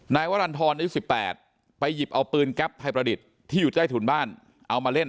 นายวรรณฑรอายุ๑๘ไปหยิบเอาปืนแก๊ปไทยประดิษฐ์ที่อยู่ใต้ถุนบ้านเอามาเล่น